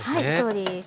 そうです。